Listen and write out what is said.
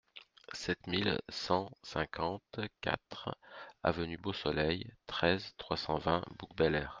sept mille cent cinquante-quatre avenue Beausoleil, treize, trois cent vingt, Bouc-Bel-Air